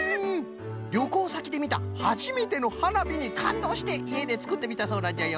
りょこうさきでみたはじめてのはなびにかんどうしていえでつくってみたそうなんじゃよ。